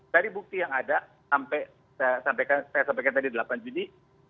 dari bukti yang ada sampai saya sampaikan tadi delapan juni